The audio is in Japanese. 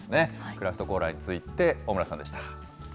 クラフトコーラについて、小村さんでした。